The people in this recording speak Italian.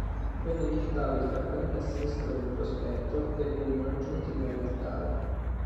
Venne edificato il campanile a sinistra del prospetto e vennero aggiunti nuovi altari.